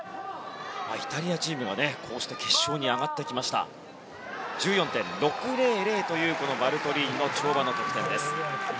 イタリアチームが、こうして決勝に上がってきました。１４．６００というバルトリーニの跳馬の得点。